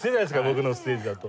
僕のステージだと。